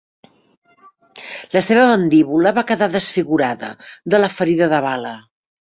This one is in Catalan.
La seva mandíbula va quedar desfigurada de la ferida de bala.